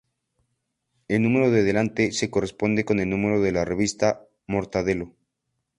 El número de delante se corresponde con el número de la revista "Mortadelo".